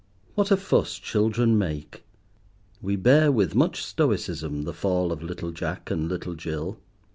What a fuss children make!" We bear with much stoicism the fall of little Jack and little Jill.